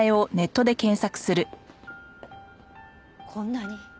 こんなに。